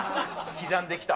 刻んできた。